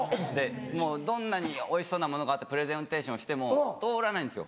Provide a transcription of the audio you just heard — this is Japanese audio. もうどんなにおいしそうなものがあってプレゼンテーションしても通らないんですよ。